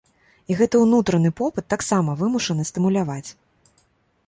І гэты ўнутраны попыт таксама вымушана стымуляваць.